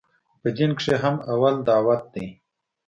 په دين کښې هم اول دعوت ديه.